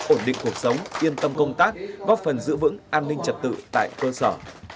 ổn định cuộc sống yên tâm công tác góp phần giữ vững an ninh trật tự tại cơ sở